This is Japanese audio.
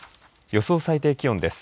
予想最低気温です。